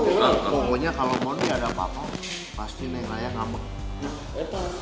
pokoknya kalau mon tidak ada apa apa pasti nek naya ngambek